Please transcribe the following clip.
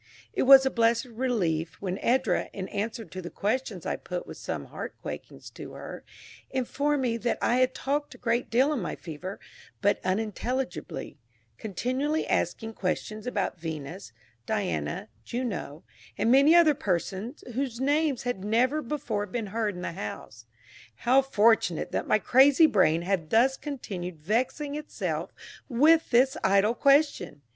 It was a blessed relief when Edra, in answer to the questions I put with some heart quakings to her, informed me that I had talked a great deal in my fever, but unintelligibly, continually asking questions about Venus, Diana, Juno, and many other persons whose names had never before been heard in the house. How fortunate that my crazy brain had thus continued vexing itself with this idle question!